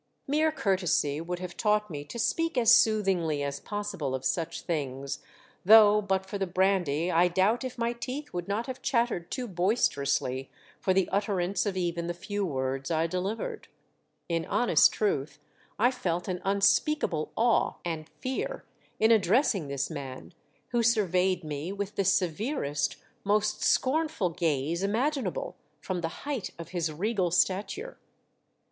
Mere courtesy would have taught me to speak as soothingly as possible of such WY ZYN AL VERDOMD. 95 things, though, but for the brandy, I doubt if my teeth would not have chattered too boisterously for the utterance of even the few words I delivered. In honest truth, I felt an unspeakable awe and fear in address ing this man, who surveyed me with the severest, most scornful gaze imaginable from the height of his regal stature.